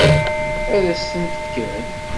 Ad s-ten-fken?